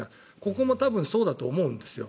ここも多分そうだと思うんです。